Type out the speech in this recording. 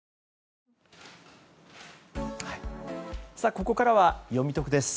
ここからはよみトクです。